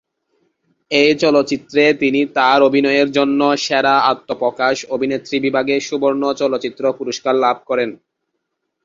এই চলচ্চিত্রে তিনি তাঁর অভিনয়ের জন্য "সেরা আত্মপ্রকাশ অভিনেত্রী" বিভাগে সুবর্ণ চলচ্চিত্র পুরস্কার লাভ করেন।